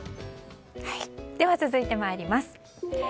では続いて参ります。